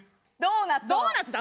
ドーナツを。